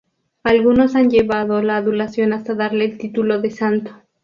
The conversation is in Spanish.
Algunos han llevado la adulación hasta darle el título de santo.